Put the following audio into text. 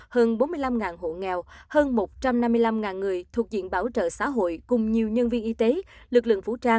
hơn bốn mươi năm hộ nghèo hơn một trăm năm mươi năm người thuộc diện bảo trợ xã hội cùng nhiều nhân viên y tế lực lượng vũ trang